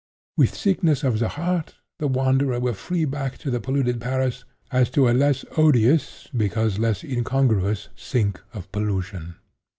With sickness of the heart the wanderer will flee back to the polluted Paris as to a less odious because less incongruous sink of pollution.